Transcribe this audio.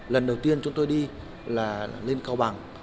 lần đầu tiên chúng tôi đi là lên cao bằng